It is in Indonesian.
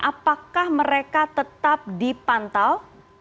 apakah mereka tetap dipantau